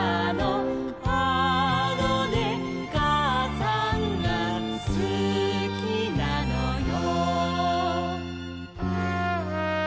「あのねかあさんがすきなのよ」